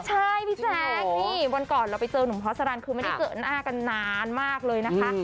ใช่พี่แจ๊คนี่วันก่อนเราไปเจอหนุ่มพอสรรคคือไม่ได้เจอหน้ากันนานมากเลยนะคะ